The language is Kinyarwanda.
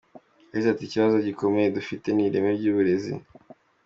Yagize ati”Ikibazo gikomeye dufite ni ireme ry’uburezi.